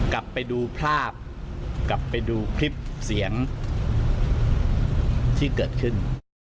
กลับไปดูภาพกลับไปดูคลิปเสียงที่เกิดขึ้น